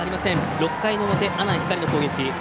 ６回の表、阿南光の攻撃。